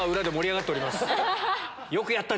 よくやったね！